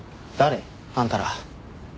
誰？あんたら。